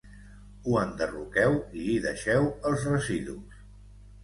Ho enderroqueu i hi deixeu els residus.